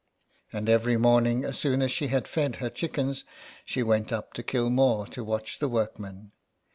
And every morning, as soon as she had fed her chickens, she went up to Kilmore to watch the work men.